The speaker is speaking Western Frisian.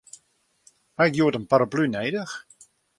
Ha ik hjoed in paraplu nedich?